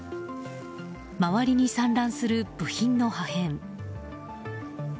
周りに散乱する部品の破片。